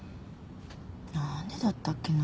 なんでだったっけな。